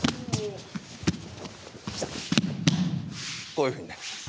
こういうふうになります。